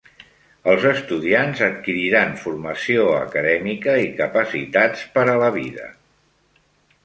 Els estudiants adquiriran formació acadèmica i capacitats per a la vida.